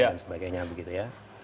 nah kalau kita membaca undang undang tujuh